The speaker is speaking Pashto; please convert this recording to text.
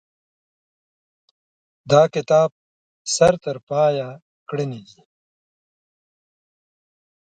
دا کتاب سر ترپایه ګړنې دي.